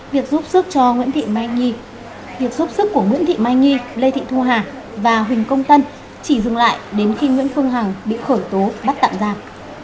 việc giúp sức của nguyễn thị mai nghi lê thị thu hà và huỳnh công tân chỉ dừng lại đến khi nguyễn phương hằng bị khởi tố bắt tạm giam